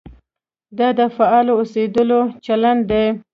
دا د فعال اوسېدو چلند دی.